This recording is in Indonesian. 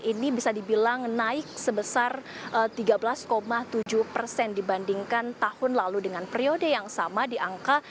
ini bisa dibilang naik sebesar tiga belas tujuh persen dibandingkan tahun lalu dengan periode yang sama di angka